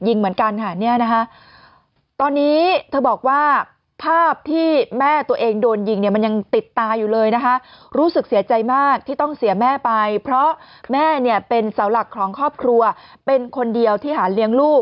ยิงเหมือนกันตอนนี้เธอบอกว่าภาพที่แม่ตัวเองโดนยิงมันยังติดตาย